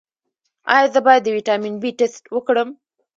ایا زه باید د ویټامین بي ټسټ وکړم؟